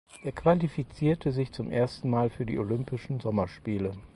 Er qualifizierte sich zum ersten Mal für die Olympischen Sommerspiele.